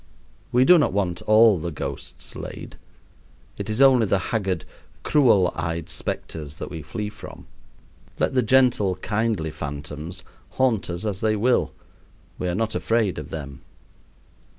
We do not want all the ghosts laid. It is only the haggard, cruel eyed specters that we flee from. Let the gentle, kindly phantoms haunt us as they will; we are not afraid of them.